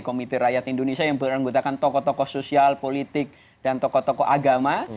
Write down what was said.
komite rakyat indonesia yang beranggota toko toko sosial politik dan toko toko agama